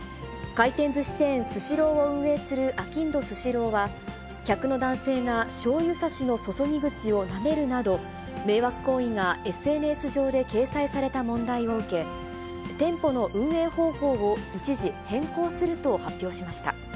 回転ずしチェーン、スシローを運営するあきんどスシローは、客の男性が、しょうゆ差しの注ぎ口をなめるなど、迷惑行為がＳＮＳ上で掲載された問題を受け、店舗の運営方法を一時変更すると発表しました。